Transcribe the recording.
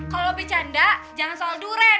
kalau bercanda jangan soal durian